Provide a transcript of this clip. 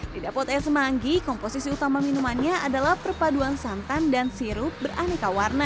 di dapot es semanggi komposisi utama minumannya adalah perpaduan santan dan sirup beraneka warna